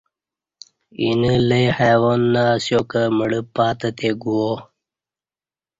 اینہ لئ حیوان نہ اسیا کہ مڑہ پاتہ تے گوہ